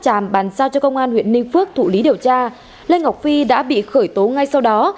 cảnh sát điều tra công an huyện ninh phước đã bị khởi tố ngay sau đó